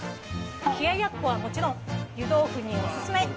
冷ややっこはもちろん、湯豆腐にお勧め。